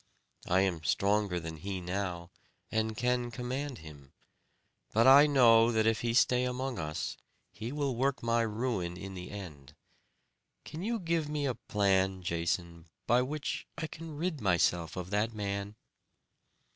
I am stronger than he now, and can command him; but I know that if he stay among us, he will work my ruin in the end. Can you give me a plan, Jason, by which I can rid myself of that man?"